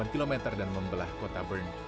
tiga puluh delapan km dan membelah kota bern